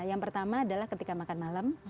yang pertama adalah ketika makan malam